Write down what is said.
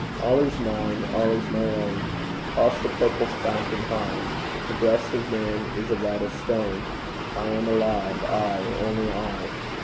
All is mine, all is my own! Toss the purple fountain high! The breast of man is a vat of stone; I am alive, I, only I!